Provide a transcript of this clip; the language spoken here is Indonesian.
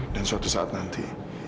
dan suatu saat nanti